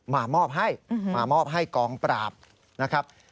มามอบให้มามอบให้กองปราบนะครับ